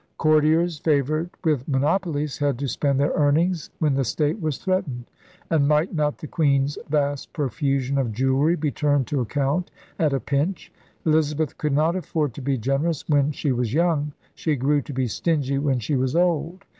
Courtiers favored with monopolies had to spend their earnings when the state was threat ened. And might not the Queen's vast profusion of jewelry be turned to account at a pinch? Elizabeth could not afford to be generous when she was young. She grew to be stingy when she was old.